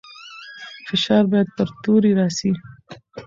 فشار باید پر توري راسي.